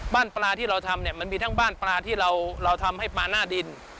บ้านปลาที่เราทำเนี่ยมันมีทั้งบ้านปลาที่เราทำให้ปลาหน้าดิน